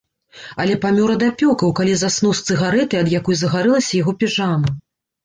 Але памёр ад апёкаў, калі заснуў з цыгарэтай, ад якой загарэлася яго піжама.